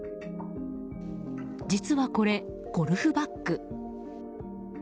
実はこれ、ゴルフバッグ。